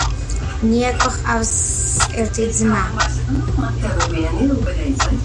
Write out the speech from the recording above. ნიაკოს ჰყავს ერთი ძმა